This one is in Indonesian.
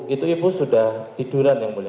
itu ibu sudah tiduran yang mulia